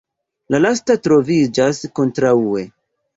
La lasta troviĝas kontraŭe.